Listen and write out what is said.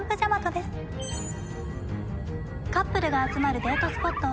カップルが集まるデート